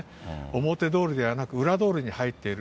表通りではなく、裏通りに入っている。